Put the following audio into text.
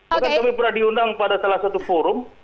bahkan kami pernah diundang pada salah satu forum